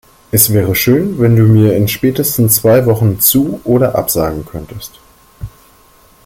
Es wäre schön, wenn du mir in spätestens zwei Wochen zu- oder absagen könntest.